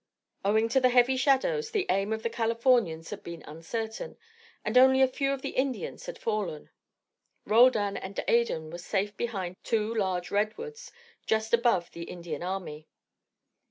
Owing to the heavy shadows, the aim of the Californians had been uncertain, and only a few of the Indians had fallen. Roldan and Adan were safe behind two large redwoods just above the Indian army.